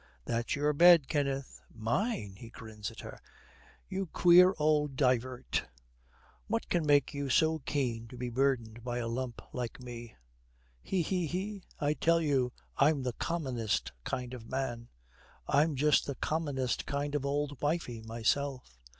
'That's your bed, Kenneth.' 'Mine?' He grins at her. 'You queer old divert. What can make you so keen to be burdened by a lump like me?' 'He! he! he! he!' 'I tell you, I'm the commonest kind of man.' 'I'm just the commonest kind of old wifie myself.'